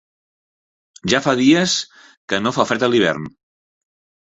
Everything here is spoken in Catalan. Ja fa dies que no fa fred a l'hivern.